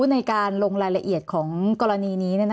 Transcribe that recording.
ในการลงรายละเอียดของกรณีนี้